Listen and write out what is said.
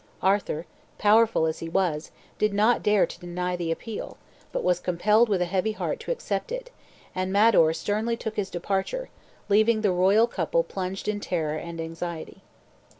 Arthur, powerful as he was, did not dare to deny the appeal, but was compelled with a heavy heart to accept it, and Mador sternly took his departure, leaving the royal couple plunged in terror and anxiety.